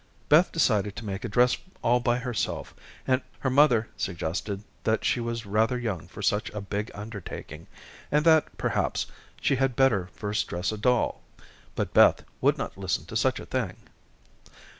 Beth decided to make a dress all by herself. Her mother suggested that she was rather young for such a big undertaking, and that, perhaps, she had better first dress a doll, but Beth would not listen to such a thing.